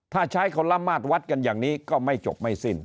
ถ้าใช้คนละมาตรวัดกันอย่างนี้ก็ไม่จบไม่สิ้น